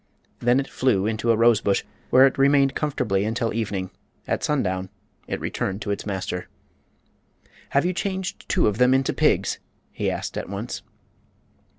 Then it flew into a rose bush, where it remained comfortably until evening. At sundown it returned to its master. "Have you changed two of them into pigs?" he asked, at once.